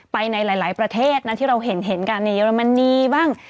ในหลายประเทศนะที่เราเห็นกันในเยอรมนีบ้าง